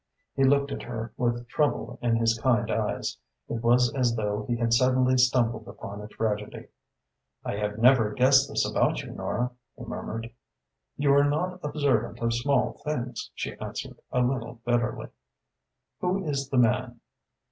He looked at her with trouble in his kind eyes. It was as though he had suddenly stumbled upon a tragedy. "I have never guessed this about you, Nora," he murmured. "You are not observant of small things," she answered, a little bitterly. "Who is the man?"